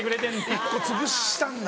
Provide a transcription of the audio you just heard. １個つぶしたんだ。